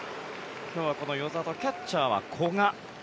今日はこの與座とキャッチャーは古賀。